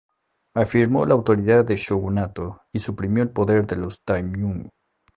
Afirmó la autoridad del shogunato y suprimió el poder de los daimyō.